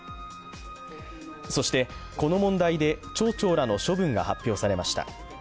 そしてこの問題で町長らの処分が発表されました。